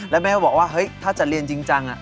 แล้วแม่ก็บอกว่าเฮ้ยถ้าจะเรียนจริงจัง